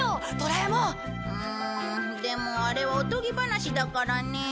うんでもあれはおとぎ話だからね。